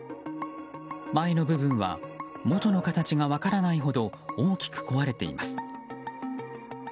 前の部分はもとの形が分からないほど大きく壊れています。